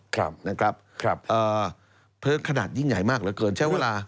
เพราะฉะนั้นขนาดยิ่งใหญ่มากเหลือเกินใช้เวลา